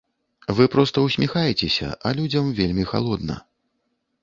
Вы проста ўсміхаецеся, а людзям вельмі халодна.